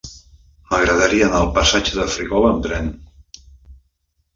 M'agradaria anar al passatge de Frígola amb tren.